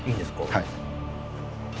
はい。